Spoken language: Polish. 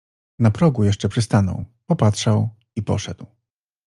Na progu jeszcze przystanął, popatrzał i poszedł.